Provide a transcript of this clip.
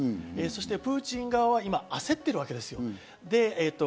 そしてプーチン側は今、焦っているわけです。